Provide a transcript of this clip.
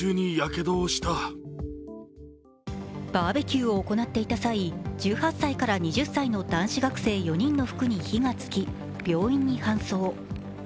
バーベキューを行っていた際、１８歳から２０歳の男子学生４人の服に火がつき、病院に搬送。